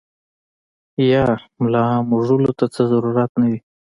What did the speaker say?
يا ملا مږلو ته ضرورت نۀ وي -